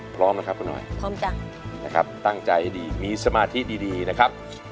พร้อมนะครับคุณหน่อยพร้อมจ้ะนะครับตั้งใจให้ดีมีสมาธิดีนะครับ